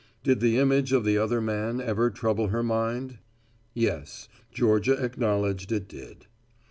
Did the image of the other man ever trouble her mind? Yes, Georgia acknowledged it did.